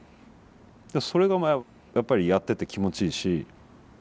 それがやっぱりやってて気持ちいいし。